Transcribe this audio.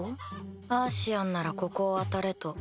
アーシアンならここを当たれと。